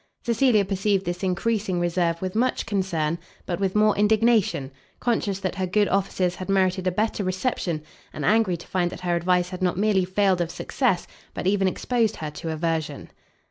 Cecilia perceived this encreasing reserve with much concern, but with more indignation, conscious that her good offices had merited a better reception, and angry to find that her advice had not merely failed of success, but even exposed her to aversion.